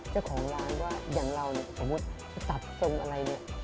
เจ้าของร้านว่าอย่างเราเนี่ยสมมุติตัดทรงอะไรเนี่ย